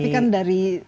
tapi kan dari